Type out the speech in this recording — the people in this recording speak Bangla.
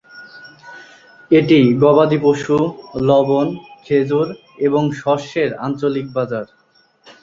এটি গবাদি পশু, লবণ, খেজুর এবং শস্যের আঞ্চলিক বাজার।